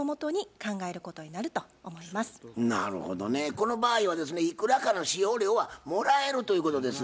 この場合はですねいくらかの使用料はもらえるということです。